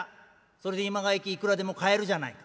「それで今川焼きいくらでも買えるじゃないか」。